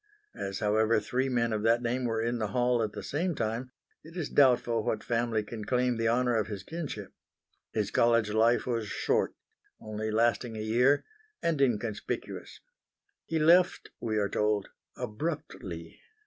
As however three men of that name were in the Hall at the same time, it is doubtful what family can claim the honour of his kinship. His college life was short only lasting a year and inconspicuous. "He left," we are told, "abruptly."